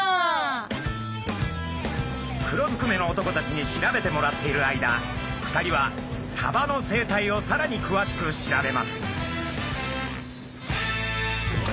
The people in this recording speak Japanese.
黒ずくめの男たちに調べてもらっている間２人はサバの生態をさらにくわしく調べます。